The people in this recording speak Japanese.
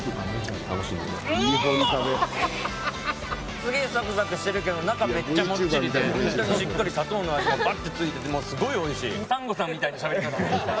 すげえサクサクしてるけど中めっちゃもっちりでホントにしっかり砂糖の味もバーってついててもうすごいおいしい。